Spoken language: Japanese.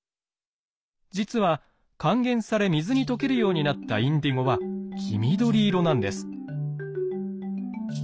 実は還元され水に溶けるようになったインディゴは黄緑色なんです。